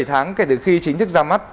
bảy tháng kể từ khi chính thức ra mắt